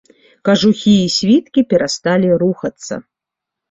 Кажухі і світкі перасталі рухацца.